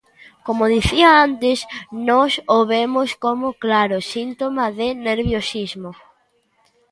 Como dicía antes, nós o vemos como claro síntoma de nerviosismo.